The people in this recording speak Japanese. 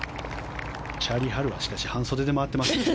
チャーリー・ハルはしかし半袖で回っています。